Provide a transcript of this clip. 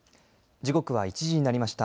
時刻は１時になりました。